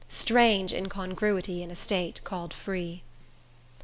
Strange incongruity in a State called free!